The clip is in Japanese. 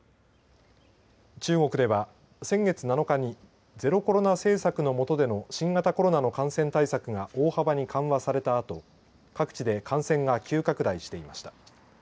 中国では先月７日にゼロコロナ政策のもとでの新型コロナの感染対策が大幅に緩和されたあと各地で感染が急拡大していました。